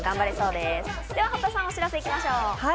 堀田さん、お知らせ行きましょう。